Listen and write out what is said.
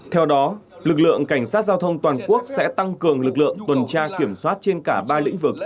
theo đó lực lượng cảnh sát giao thông toàn quốc sẽ tăng cường lực lượng tuần tra kiểm soát trên cả ba lĩnh vực